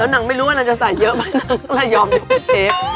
นางไม่รู้ว่านางจะใส่เยอะไหมนางก็เลยยอมอยู่กับเชฟ